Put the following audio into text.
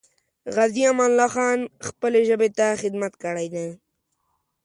غازي امان الله خان خپلې ژبې ته خدمت کړی دی.